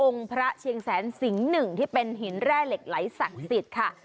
พระเชียงแสนสิงห์หนึ่งที่เป็นหินแร่เหล็กไหลศักดิ์สิทธิ์ค่ะ